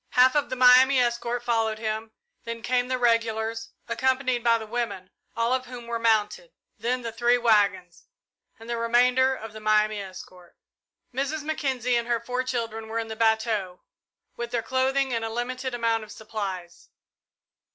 Half of the Miami escort followed him, then came the regulars, accompanied by the women, all of whom were mounted; then the three waggons, and the remainder of the Miami escort. Mrs. Mackenzie and her four children were in the bateau, with their clothing and a limited amount of supplies.